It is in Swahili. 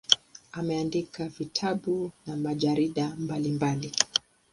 Ameandika vitabu na majarida mbalimbali.